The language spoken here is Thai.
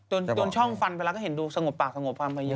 จนช่องฟันไปแล้วก็เห็นดูสงบปากสงบฟันไปเยอะ